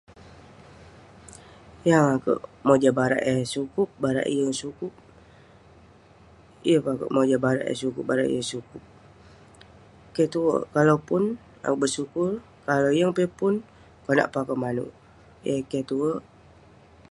Yeng akouk mojam barak eh sukup , barak eh yeng sukup. Yeng pe akouk mojam barak eh sukup, eh yeng sukup. Keh tuek. Kalau pun, bersyukur. Kalau yeng pe eh pun, konak pe akouk manouk? Yeng eh keh tuek.